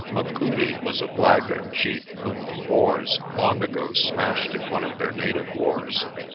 Machudi was a blackguard chief whom the Boers long ago smashed in one of their native wars.